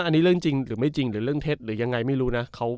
อันนี้เรื่องจริงหรือไม่จริงหรือเรื่องเท็จหรือยังไงไม่รู้นะ